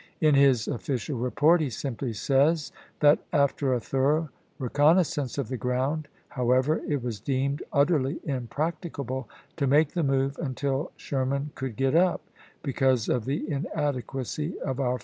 In his official report he simply says that " after a thorough recon naissance of the ground, however, it was deemed utterly impracticable to make the move until Sher man could get up, because of the inadequacy of our ^is^xL?